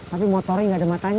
tapi motoreng gak ada matanya